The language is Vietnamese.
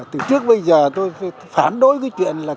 từ trước bây giờ tôi phản đối cái chuyện là